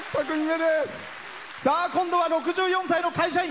今度は６４歳の会社員。